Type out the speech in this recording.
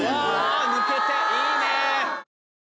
抜けていいね！